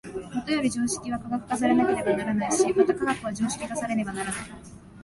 もとより常識は科学化されねばならないし、また科学は常識化されねばならない。